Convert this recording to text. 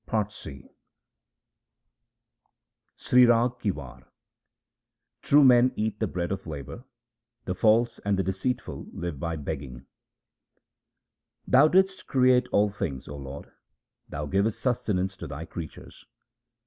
1 Sri Rag ki War True men eat the bread of labour ; the false and the deceitful live by begging :— Thou didst create all things, O Lord ; Thou givest sustenance to Thy creatures.